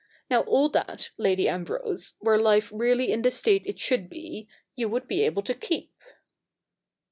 Now all that, Lady Ambrose, were life really in the state it should be, you would be able to keep.'